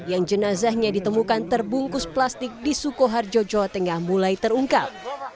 yang jenazahnya ditemukan terbungkus plastik di sukoharjo jawa tengah mulai terungkap